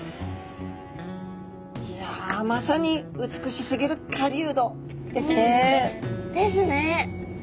いやまさに「美しすぎる狩人」ですね！ですね！